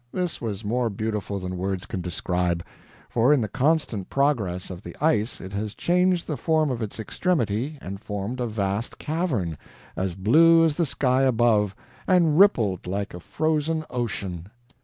This was more beautiful than words can describe, for in the constant progress of the ice it has changed the form of its extremity and formed a vast cavern, as blue as the sky above, and rippled like a frozen ocean.